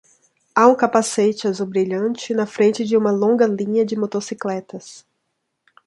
Há um capacete azul brilhante na frente de uma longa linha de motocicletas.